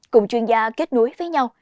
cùng chuyên gia kết nối với nhau